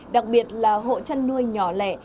đặc biệt là hộ chăn nuôi nhỏ lẻ